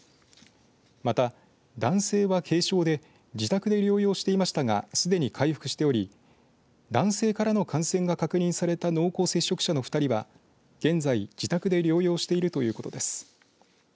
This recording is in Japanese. また、男性は軽症で自宅で療養していましたがすでに回復しており男性からの感染が確認された濃厚接触者の２人は現在、自宅で療養しているということです。